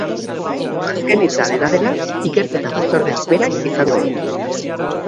Azken hitza, dena dela, ikerketa batzordeak berak izango du.